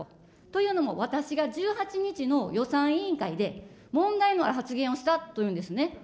というのも、私が１８日の予算委員会で、問題のある発言をしたというんですね。